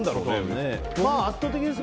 圧倒的です。